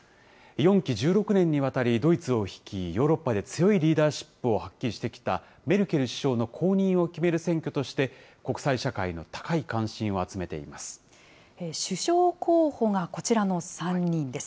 ４期１６年にわたり、ドイツを率い、ヨーロッパで強いリーダーシップを発揮してきたメルケル首相の後任を決める選挙として国際社首相候補がこちらの３人です。